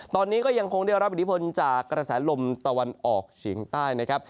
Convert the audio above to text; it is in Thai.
ตอนนี้ก็ยังคงได้รับอิทธิพลจากกระแสลมตะวันออกเฉียงใต้นะครับ